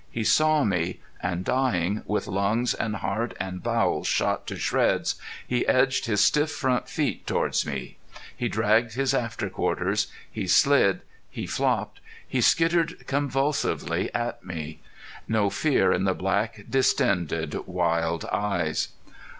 He saw me. And dying, with lungs and heart and bowels shot to shreds, he edged his stiff front feet toward me, he dragged his afterquarters, he slid, he flopped, he skittered convulsively at me. No fear in the black, distended, wild eyes!